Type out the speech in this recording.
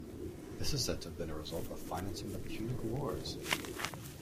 This is said to have been a result of financing the Punic Wars.